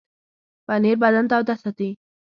پنېر بدن تاوده ساتي.